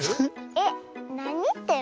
えっなにってる？